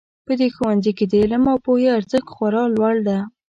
په دې ښوونځي کې د علم او پوهې ارزښت خورا لوړ ده